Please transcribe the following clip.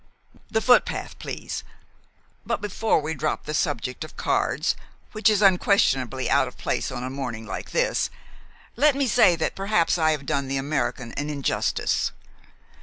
"The footpath, please. But before we drop the subject of cards, which is unquestionably out of place on a morning like this, let me say that perhaps I have done the American an injustice.